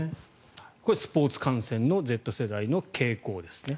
これ、スポーツ観戦のＺ世代の傾向ですね。